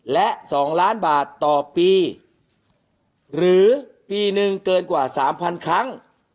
และ๒ล้านบาทต่อปีหรือปีหนึ่งเกินกว่า๓๐๐ครั้ง